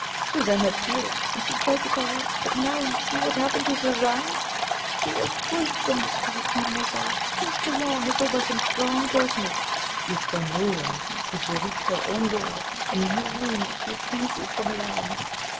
Suzanne had fear, and she tried to call out but now see what happened to Suzanne! She was PUSHED from the spot, mademoiselle, pushed along as though by some strong personage; yet she saw no one till she reached her own door, and in her room she fainted from alarm.